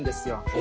え！